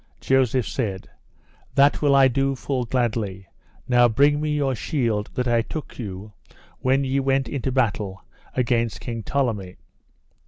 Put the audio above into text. Joseph said: That will I do full gladly; now bring me your shield that I took you when ye went into battle against King Tolleme.